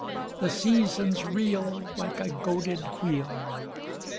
The seasons reel Like a goaded wheel.